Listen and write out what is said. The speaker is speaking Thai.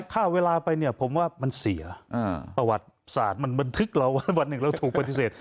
ค่าเวลาไปเนี่ยผมว่ามันเสียประวัติศาสตร์มันบันทึกเราว่าวันหนึ่งเราถูกปฏิเสธ